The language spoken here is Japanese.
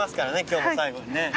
今日の最後にね。